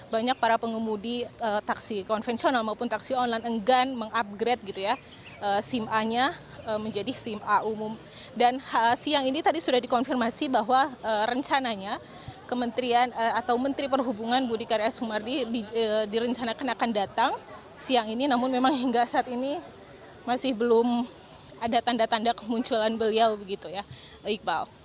banyak para pengemudi taksi konvensional maupun taksi online enggan mengupgrade gitu ya sim a nya menjadi sim a umum dan siang ini tadi sudah dikonfirmasi bahwa rencananya kementerian atau menteri perhubungan budi karya sumardi direncanakan akan datang siang ini namun memang hingga saat ini masih belum ada tanda tanda kemunculan beliau begitu ya iqbal